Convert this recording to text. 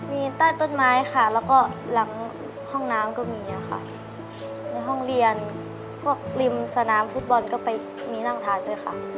มีใต้ต้นไม้ค่ะแล้วก็หลังห้องน้ำก็มีค่ะในห้องเรียนพวกริมสนามฟุตบอลก็ไปมีนั่งทานด้วยค่ะ